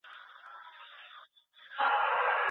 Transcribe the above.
د انسانانو پير او پلور په کلکه منع دی.